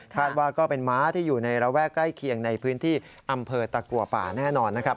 ว่าก็เป็นม้าที่อยู่ในระแวกใกล้เคียงในพื้นที่อำเภอตะกัวป่าแน่นอนนะครับ